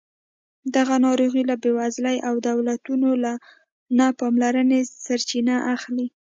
دغه ناروغۍ له بېوزلۍ او دولتونو له نه پاملرنې سرچینه اخلي.